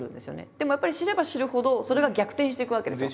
でもやっぱり知れば知るほどそれが逆転していくわけですよ。